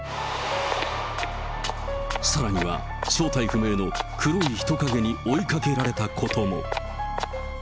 さらには正体不明の黒い人影に追いかけられたことも。